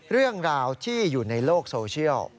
เรื่องราวที่อยู่ในโลกโซเชียล